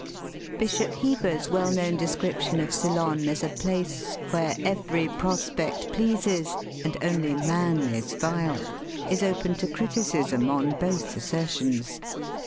Bishop Heber's well known description of Ceylon as a place —" Where every prospect pleases, And only man is vile," is open to criticism on both assertions.